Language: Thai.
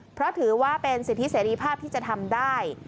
เพราะถือว่าเป็นสิทธิเสรีภาพที่จะทำได้